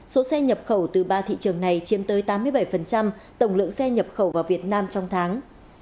số xe nhập khẩu từ ba thị trường này chiếm tới tám mươi bảy tổng lượng xe nhập khẩu vào việt nam trong tháng